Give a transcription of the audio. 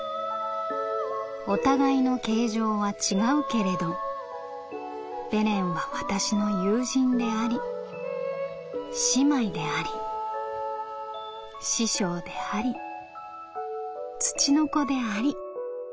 お互いの形状は違うけれどベレンは私の友人であり姉妹であり師匠であり『つちのこ』であり。